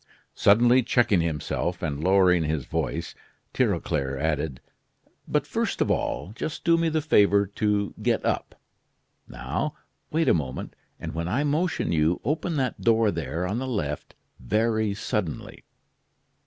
Suddenly checking himself, and lowering his voice, Tirauclair added: "But first of all, just do me the favor to get up. Now, wait a moment, and when I motion you, open that door there, on the left, very suddenly.